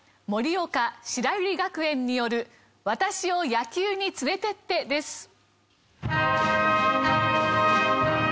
盛岡白百合学園による『私を野球に連れてって』です。